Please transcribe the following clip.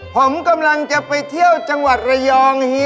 ผมกำลังจะไปเที่ยวจังหวัดระยอง